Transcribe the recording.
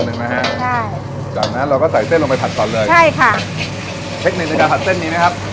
เทคนิคในการผัดเซ่นมีนะครับ